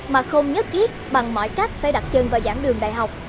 mà không nhất thiết bằng mọi cách phải đặt chân vào dãn đường đại học